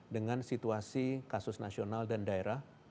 dengan situasi kasus nasional dan daerah